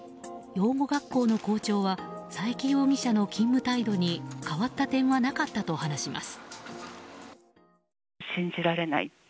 養護学校の校長は佐伯容疑者の勤務態度に変わった点はなかったと話します。